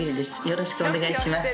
よろしくお願いします。